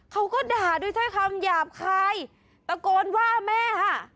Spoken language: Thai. เขาก็ด่าด้วยถ้อยคำหยาบคายตะโกนว่าแม่ค่ะ